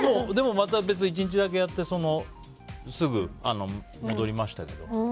でも別に１日だけやってすぐ戻りましたけど。